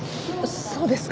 そうですか？